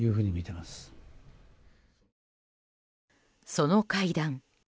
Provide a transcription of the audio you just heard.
その会談。